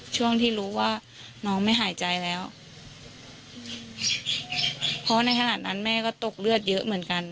ช่วงที่รู้ว่าน้องไม่หายใจแล้วเพราะในขณะนั้นแม่ก็ตกเลือดเยอะเหมือนกัน